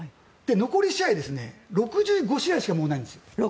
残り６５試合しかないんです。